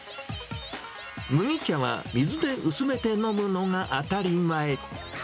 麦茶は水で薄めて飲むのが当たり前。